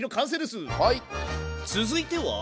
続いては？